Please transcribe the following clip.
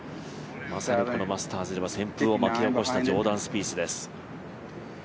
まさにマスターズでは旋風を巻き起こしたジョーダン・スピースです。